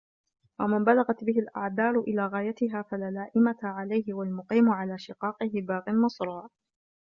وَمَنْ بَلَغَتْ بِهِ الْأَعْذَارُ إلَى غَايَتِهَا فَلَا لَائِمَةَ عَلَيْهِ وَالْمُقِيمُ عَلَى شِقَاقِهِ بَاغٍ مَصْرُوعٌ